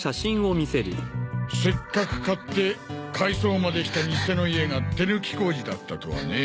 せっかく買って改装までした偽の家が手抜き工事だったとはね。